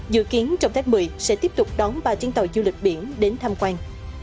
dự kiến trong tháng một mươi sẽ tiếp tục đón ba chuyến tàu du lịch biển đến tham quan